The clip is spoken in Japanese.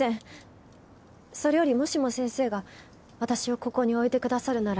それよりもしも先生が私をここに置いてくださるなら。